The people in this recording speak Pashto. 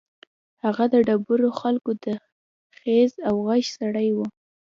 هغه د ډېرو خلکو د خېر او غږ سړی و.